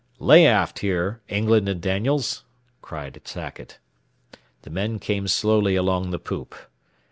"Lay aft, here, England and Daniels," cried Sackett. The men came slowly along the poop.